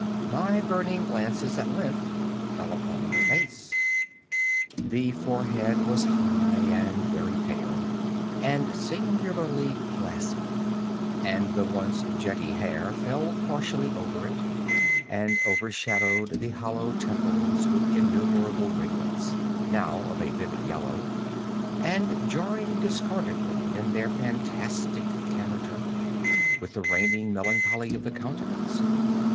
My burning glances at length fell upon the face. The forehead was high, and very pale, and singularly placid; and the once jetty hair fell partially over it, and overshadowed the hollow temples with innumerable ringlets, now of a vivid yellow, and jarring discordantly, in their fantastic character, with the reigning melancholy of the countenance.